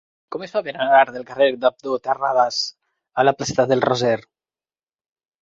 Com es fa per anar del carrer d'Abdó Terradas a la placeta del Roser?